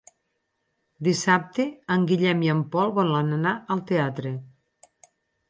Dissabte en Guillem i en Pol volen anar al teatre.